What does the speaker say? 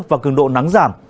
và cường độ nắng giảm